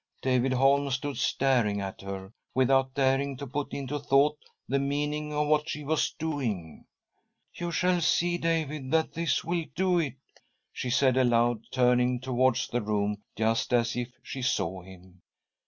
David Holm stood staring at her, without daring . .to put into thought the meaning of what she was . doing. "You shall see, David, that this will do it!" she said aloud, turning towards the room just as if she saw him.